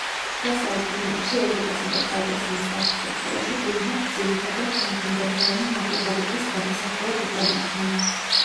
შუა საუკუნეებში ევროპასა და კავკასიის არქიტექტურაში გუმბათს ძირითადად ჯვარ-გუმბათოვანი ნაგებობების გადასახურად იყენებდნენ.